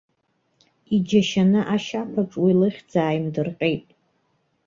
Иџьашьаны ашьаԥаҿ уи лыхьӡ ааимдырҟьеит.